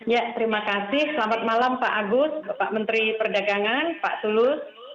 ya terima kasih selamat malam pak agus bapak menteri perdagangan pak tulus